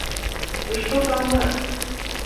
Ды што там мэр!